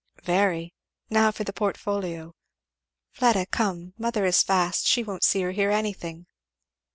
"Very. Now for the portfolio, Fleda come! mother is fast; she won't see or hear anything.